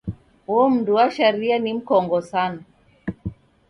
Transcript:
Uo mndu wa sharia ni mkongo sana.